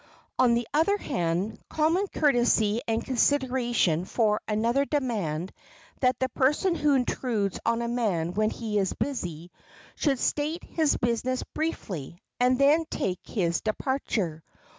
On the other hand, common courtesy and consideration for another demand that the person who intrudes on a man when he is busy should state his business briefly, and then take his departure.